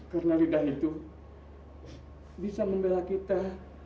karena lidah itu bisa membela kita